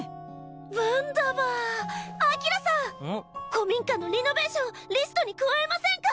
古民家のリノベーションリストに加えマセンカ？